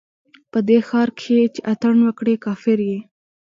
په دې ښار کښې چې اتڼ وکړې، کافر يې